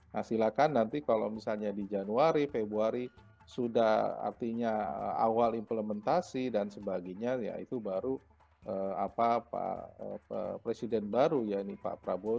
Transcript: nah silakan nanti kalau misalnya di januari februari sudah artinya awal implementasi dan sebagainya ya itu baru presiden baru ya pak prabowo